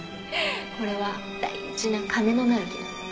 これは大事な「金のなる木」なんだから。